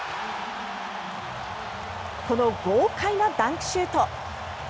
この豪快なダンクシュート。